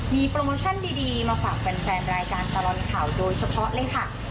มีโปรโมชั่นดีมาฝากแฟนรายการตลอดข่าวโดยเฉพาะเลยค่ะ